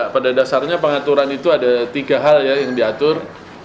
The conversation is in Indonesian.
pada dasarnya pengaturan itu ada tiga hal ya yang diatur